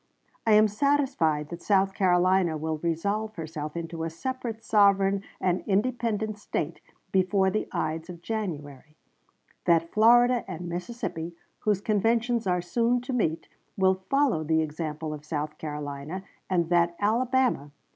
"I am satisfied that South Carolina will resolve herself into a separate sovereign and independent State before the Ides of January; that Florida and Mississippi, whose conventions are soon to meet, will follow the example of South Carolina, and that Alabama